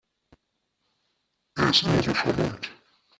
Er ist immer so charmant.